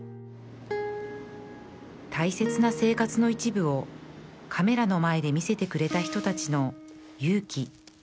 大切な生活の一部をカメラの前で見せてくれた人たちの勇気